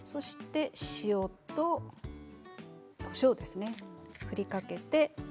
塩とこしょうですね、振りかけて。